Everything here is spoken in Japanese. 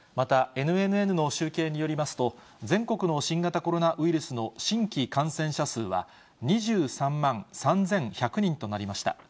またＮＮＮの集計によりますと、全国の新型コロナウイルスの新規感染者数は、２３万３１００人となりました。